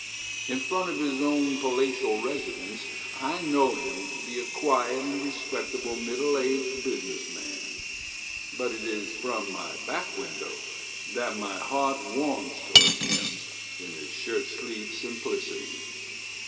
In front of his own palatial resi dence, I know him to be a quiet and respectable middle aged business man, but it is from my back window that my heart w T arms toward him in his shirt sleeved simplicity.